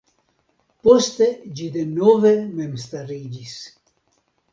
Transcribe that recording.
Poste ĝi denove memstariĝis.